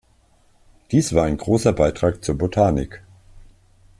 Dies war ein großer Beitrag zur Botanik.